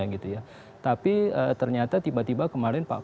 tapi ternyata tiba tiba kemarin pak prabowo menerima banyak masukan dari beberapa partai